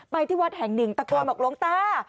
ที่วัดแห่งหนึ่งตะโกนบอกหลวงตา